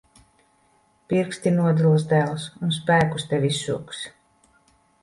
Pirksti nodils, dēls. Un spēkus tev izsūks.